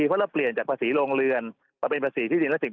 เพราะเราเปลี่ยนจากภาษีโรงเรือนมาเป็นภาษีที่ดินและสิ่ง